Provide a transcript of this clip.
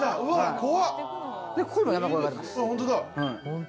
ここにも山小屋があります。